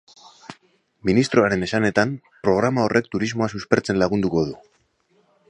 Ministroaren esanetan, programa horrek turismoa suspertzen lagunduko du.